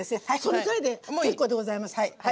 そのくらいで結構でございますはい。